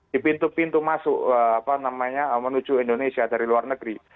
di pintu pintu masuk menuju indonesia dari luar negeri